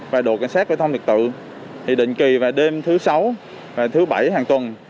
và đội cảnh sát giao thông trật tự thì định kỳ vào đêm thứ sáu và thứ bảy hàng tuần